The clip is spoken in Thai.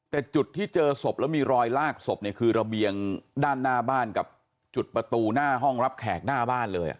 แต่จุดที่เจอศพแล้วมีรอยลากศพเนี่ยคือระเบียงด้านหน้าบ้านกับจุดประตูหน้าห้องรับแขกหน้าบ้านเลย